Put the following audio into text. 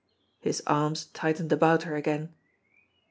His arms tightened about her again.